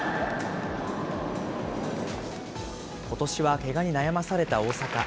ことしはケガに悩まされた大坂。